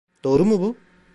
Doğru mu bu?